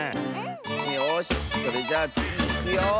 よしそれじゃあつぎいくよ。